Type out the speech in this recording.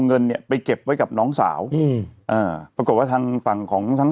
เงินเนี้ยไปเก็บไว้กับน้องสาวอืมอ่าปรากฏว่าทางฝั่งของทั้ง